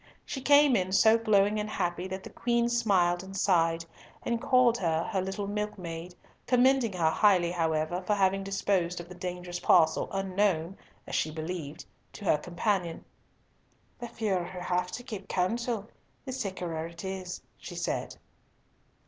She came in so glowing and happy that the Queen smiled and sighed, and called her her little milkmaid, commending her highly, however, for having disposed of the dangerous parcel unknown (as she believed) to her companion. "The fewer who have to keep counsel, the sickerer it is," she said.